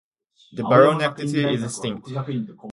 The baronetcy is extinct.